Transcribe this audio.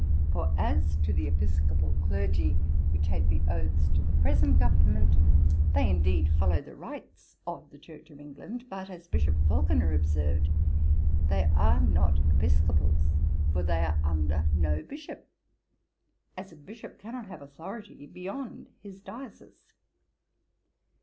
For as to the episcopal clergy who take the oaths to the present government, they indeed follow the rites of the Church of England, but, as Bishop Falconer observed, "they are not Episcopals; for they are under no bishop, as a bishop cannot have authority beyond his diocese."